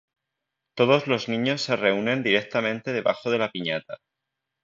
Todos los niños se reúnen directamente debajo de la piñata.